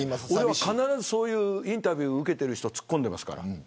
必ずインタビューを受けてる人にツッコんでます。